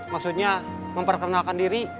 maksudnya memperkenalkan diri